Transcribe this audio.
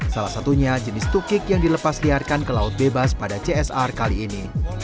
salah satunya jenis tukik yang dilepas liarkan ke laut bebas pada csr kali ini